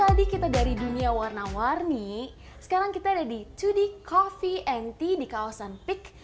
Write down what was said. tadi kita dari dunia warna warni sekarang kita ada di dua d coffee nt di kawasan peak